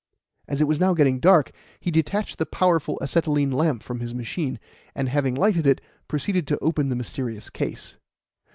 As it was now getting dark, he detached the powerful acetylene lamp from his machine, and, having lighted it, proceeded to open the mysterious case.